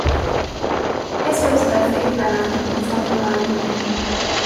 Qu’est-ce que cela fait, Nanon? dit tranquillement Eugénie.